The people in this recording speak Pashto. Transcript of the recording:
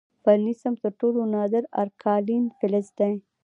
د فرنسیم تر ټولو نادر الکالین فلز دی.